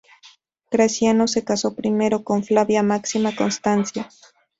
Graciano se casó primero con Flavia Máxima Constancia.